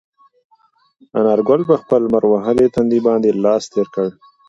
انارګل په خپل لمر وهلي تندي باندې لاس تېر کړ.